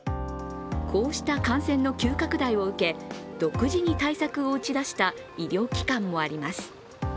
こうした感染の急拡大を受け、独自に対策を打ち出した医療機関もあります。